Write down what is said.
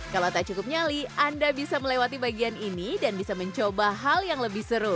kalau tak cukup nyali anda bisa melewati bagian ini dan bisa mencoba hal yang lebih seru